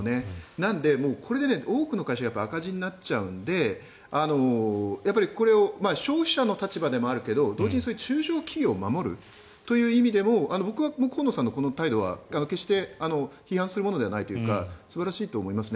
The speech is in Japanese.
なので、これで多くの会社は赤字になっちゃうのでこれを消費者の立場でもあるけど同時に中小企業を守るという意味でも僕は河野さんの態度は決して批判するものではないというか素晴らしいと思いますね。